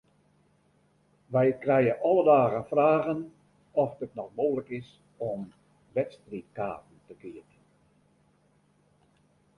Wy krije alle dagen fragen oft it noch mooglik is om wedstriidkaarten te keapjen.